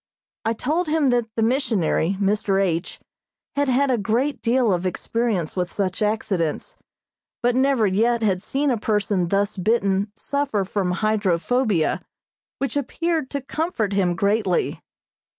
I told him that the missionary, Mr. H., had had a great deal of experience with such accidents, but never yet had seen a person thus bitten suffer from hydrophobia, which appeared to comfort him greatly.